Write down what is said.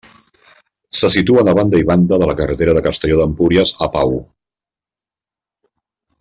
Se situen a banda i banda de la carretera de Castelló d'Empúries a Pau.